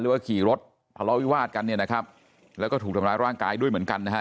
ว่าขี่รถทะเลาะวิวาสกันเนี่ยนะครับแล้วก็ถูกทำร้ายร่างกายด้วยเหมือนกันนะฮะ